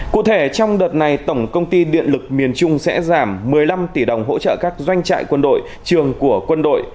cụ thể trong đợt này tổng công ty điện lực miền trung sẽ giảm một mươi năm tỷ đồng hỗ trợ các doanh trại quân đội trường của quân đội